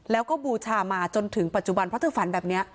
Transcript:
แล้วก็บูชามาจนถึงปัจจุบันเพราะเธอฝันแบบนี้